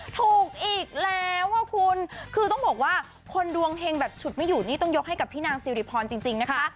ถูกอีกแล้วอ่ะคุณคือต้องบอกว่าคนดวงเฮงแบบฉุดไม่อยู่นี่ต้องยกให้กับพี่นางสิริพรจริงนะคะ